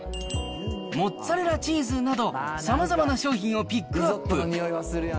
モッツァレラチーズなど、さまざまな商品をピックアップ。